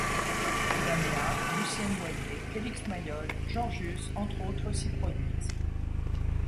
Damia, Lucienne Boyer, Félix Mayol, Georgius entre autres s'y produisent.